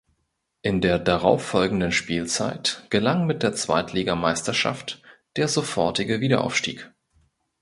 In der darauffolgenden Spielzeit gelang mit der Zweitligameisterschaft der sofortige Wiederaufstieg.